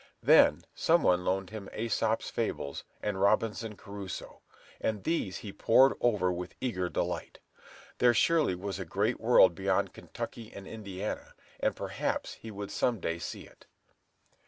Then some one loaned him "Æsop's Fables" and "Robinson Crusoe," and these he pored over with eager delight. There surely was a great world beyond Kentucky and Indiana, and perhaps he would some day see it.